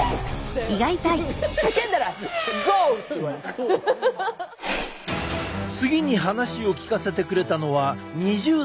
次に話を聞かせてくれたのは２０代のお二人。